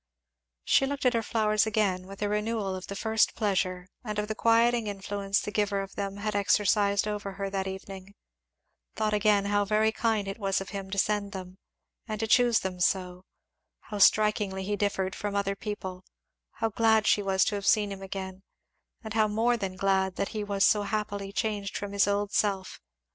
She looked at her flowers again with a renewal of the first pleasure and of the quieting influence the giver of them had exercised over her that evening; thought again how very kind it was of him to send them, and to choose them so; how strikingly he differed from other people; how glad she was to have seen him again, and how more than glad that he was so happily changed from his old self.